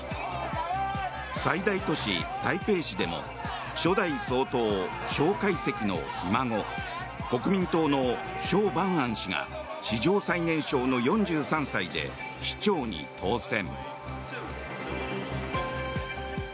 最大都市・台北市でも初代総統、蒋介石のひ孫国民党のショウ・バンアン氏が史上最年少の４３歳で市長に当選。